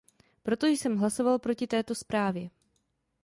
Proto jsem hlasoval proti této zprávě.